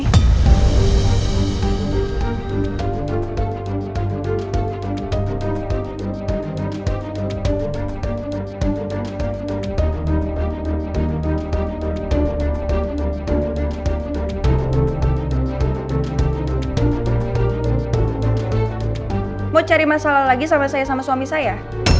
kamu mau cari masalah lagi sama saya sama suami saya